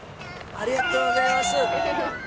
ありがとうございます。